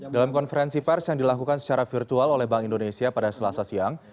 dalam konferensi pers yang dilakukan secara virtual oleh bank indonesia pada selasa siang